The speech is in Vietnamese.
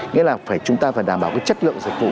nghĩa là chúng ta phải đảm bảo cái chất lượng dịch vụ